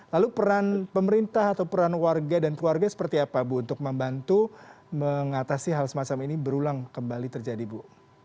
lalu peran pemerintah atau peran warga dan keluarga seperti apa bu untuk membantu mengatasi hal semacam ini berulang kembali terjadi bu